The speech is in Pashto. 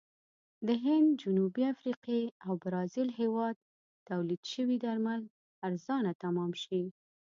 د هند، جنوبي افریقې او برازیل هېواد تولید شوي درمل ارزانه تمام شي.